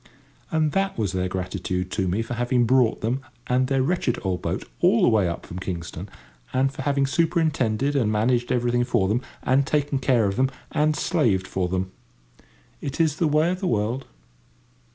And that was their gratitude to me for having brought them and their wretched old boat all the way up from Kingston, and for having superintended and managed everything for them, and taken care of them, and slaved for them. It is the way of the world.